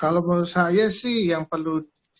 kalau menurut saya sih yang perlu